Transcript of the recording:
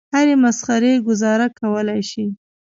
هرې مسخرې ګوزاره کولای شي.